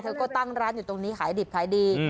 เธอก็ตั้งร้านอยู่ตรงนี้ขายดิบขายดี